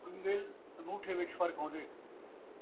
انڳل انوٹھے وچ فرق ہوندے